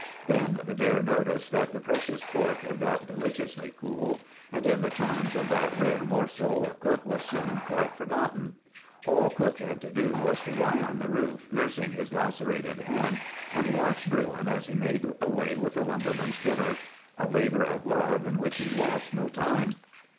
"Then the bear noticed that the precious pork had got deliciously cool, and in the charms of that rare morsel cook was soon quite forgotten. All cook had to do was to lie on the roof, nursing his lacerated hand, and watching Bruin as he made away with the lumbermen's dinner,—a labor of love in which he lost no time.